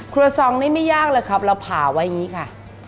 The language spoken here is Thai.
ซองนี่ไม่ยากเลยครับเราผ่าไว้อย่างนี้ค่ะ